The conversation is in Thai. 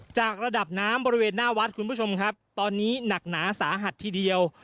จากระดับน้ำบริเวณหน้าวัดคุณผู้ชมครับตอนนี้หนักหนาสาหัสทีเดียว